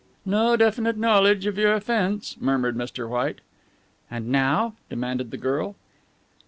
"No definite knowledge of your offence," murmured Mr. White. "And now?" demanded the girl.